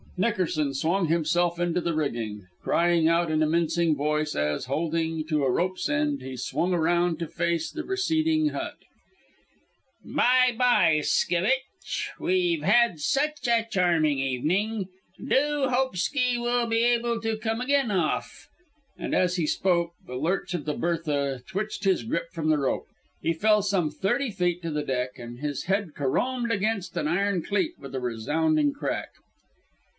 Nickerson swung himself into the rigging, crying out in a mincing voice as, holding to a rope's end, he swung around to face the receding hut: "By bye skevitch. We've had such a charming evening. Do hope sky we'll be able to come again off." And as he spoke the lurch of the Bertha twitched his grip from the rope. He fell some thirty feet to the deck, and his head carromed against an iron cleat with a resounding crack.